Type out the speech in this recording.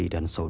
inilah hal dua